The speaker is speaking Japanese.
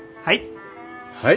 はい。